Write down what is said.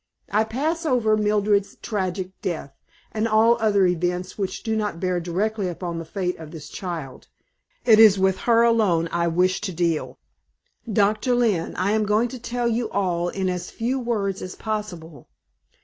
"I pass over Mildred's tragic death, and all other events which do not bear directly upon the fate of this child; it is with her alone I wish to deal. Dr. Lynne, I am going to tell you all in as few words as possible.